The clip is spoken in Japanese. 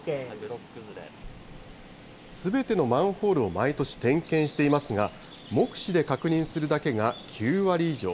すべてのマンホールを毎年点検していますが、目視で確認するだけが９割以上。